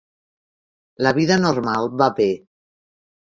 La vida normal va bé.